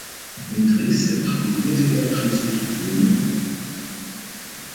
In Dresden studierte er schließlich Violine.